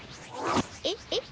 えっ？えっ？